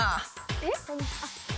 えっ？